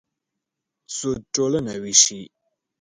سود ټولنه وېشي.